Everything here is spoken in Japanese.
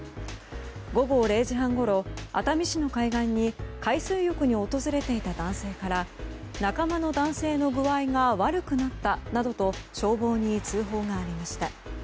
午後０時半ごろ、熱海市の海岸に海水浴に訪れていた男性から仲間の男性の具合が悪くなったなどと消防に通報がありました。